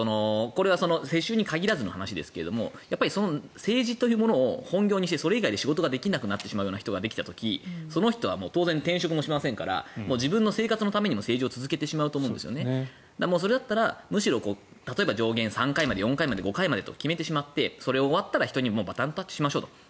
これは世襲に限らずの話ですが政治というものを本業にしてそれ以外で仕事ができなくなるような人が出た時その人は転職しませんから自分の生活のためにも政治を続けてしまうということでそれだったら上限を５回までとか決めてしまってそれが終わったらバトンタッチしましょうと。